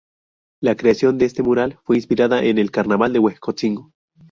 La creación de este mural, fue inspirada en el carnaval de Huejotzingo.